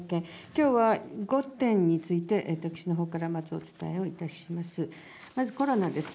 きょうは５点について、私のほうからまずお伝えをいたします。